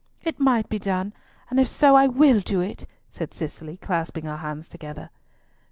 "It might be done, and if so I will do it," said Cicely, clasping her hands together.